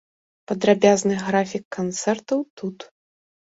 Падрабязны графік канцэртаў тут.